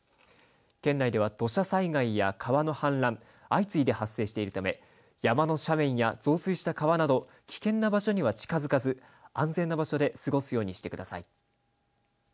県内では土砂災害や川の氾濫が相次いで発生しているため山の斜面や増水した川など危険な場所には近づかず安全な場所で過ごすようにしてください。